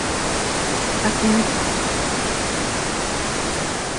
_A química.